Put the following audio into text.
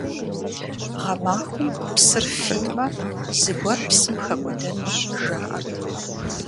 Гъэмахуэм псыр фиймэ, зыгуэр псым хэкӀуэдэнущ, жаӀэрт.